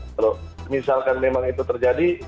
kalau misalkan memang itu terjadi